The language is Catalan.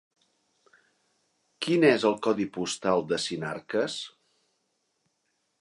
Quin és el codi postal de Sinarques?